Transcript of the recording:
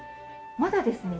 まだですね